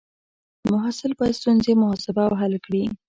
محصل باید ستونزې محاسبه او حل کړي.